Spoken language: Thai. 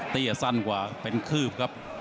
สั้นกว่าเป็นคืบครับ